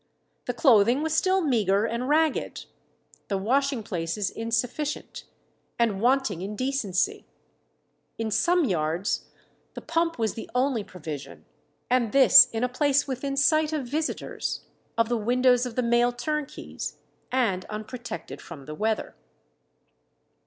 The clothing was still meagre and ragged: the washing places insufficient, and wanting in decency; in some yards the pump was the only provision, and this in a place within sight of visitors, of the windows of the male turnkeys, and unprotected from the weather.